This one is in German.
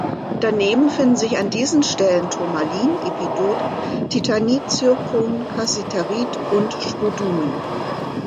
Daneben finden sich an diesen Stellen Turmalin, Epidot, Titanit, Zirkon, Kassiterit und Spodumen.